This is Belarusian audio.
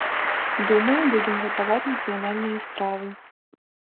Думаю, будзем гатаваць нацыянальныя стравы.